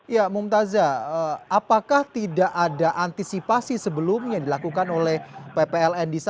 ya mumtazah apakah tidak ada antisipasi sebelumnya yang dilakukan oleh ppln di sana